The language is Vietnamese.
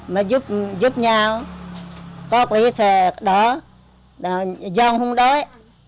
mà giúp nhau có quý thì đó do không đói